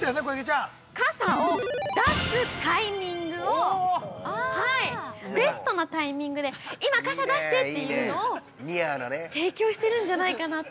◆傘を出すタイミングをベストなタイミングで、今傘出してというのを提供しているんじゃないかなと。